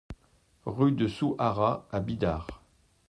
Rue de Souhara à Bidart